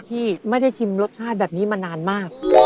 ที่ไม่ได้ชิมรสชาติแบบนี้มานานมาก